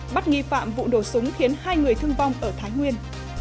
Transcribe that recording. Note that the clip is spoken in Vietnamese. bắt nghi phạm vụ nổ súng khiến hai người thương vong ở thái nguyên